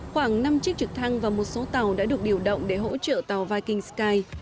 khoảng năm chiếc trực thăng và một số tàu đã được điều động để hỗ trợ tàu viking sky